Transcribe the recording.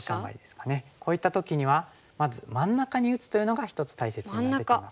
こういった時にはまず真ん中に打つというのが一つ大切になってきます。